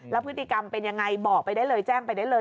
แล้วพฤติกรรมเป็นยังไงบอกไปได้เลยแจ้งไปได้เลย